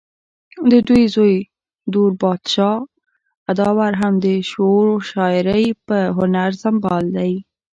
ددوي زوے دور بادشاه ادوار هم د شعرو شاعرۍ پۀ هنر سنبال دے